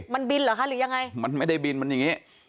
มันบินเหรอคะหรือยังไงมันไม่ได้บินมันอย่างนี้